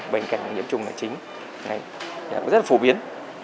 bệnh cảnh nhiễm trùng chính rất là phổ biến